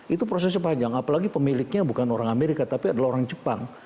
itu prosesnya panjang apalagi pemiliknya bukan orang amerika tapi adalah orang jepang